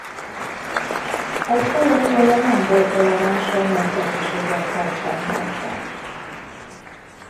Az ajatollah nem volt toleráns a nemzetiségekkel szemben sem.